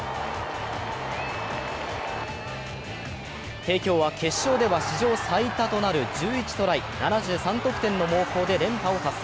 帝京は決勝では史上最多となる１１トライ・７３得点の猛攻で連覇を達成。